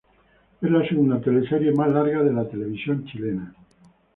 Es la segunda teleserie más larga de la televisión chilena.